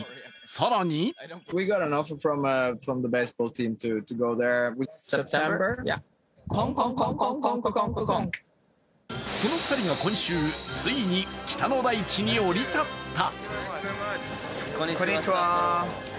更にその２人が今週ついに北の大地に降り立った。